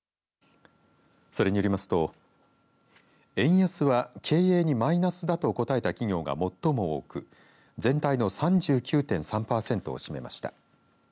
それによりますと円安は経営にマイナスだと答えた企業が最も多く全体の３９．３パーセントを占めました。